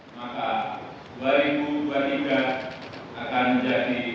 maka dua ribu dua puluh tiga akan menjadi